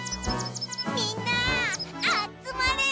みんなあつまれ！